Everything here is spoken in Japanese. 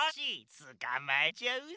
つかまえちゃうぞ！